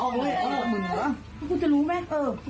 กูจะรู้มั้ย